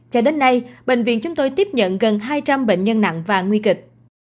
cho đến nay bệnh viện chúng tôi tiếp nhận gần hai trăm linh bệnh nhân nặng và nguy kịch